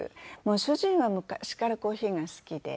主人は昔からコーヒーが好きで。